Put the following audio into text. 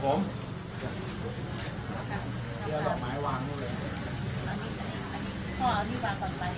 เป็นซื้อหาไม้และกระจกขายครอบครึ่ง